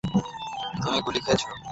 তুমি গুলি খেয়েছো?